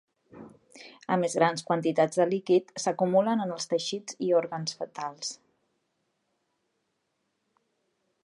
A més grans quantitats de líquid s'acumulen en els teixits i òrgans fetals.